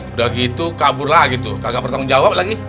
udah gitu kabur lah gitu kagak bertanggung jawab lagi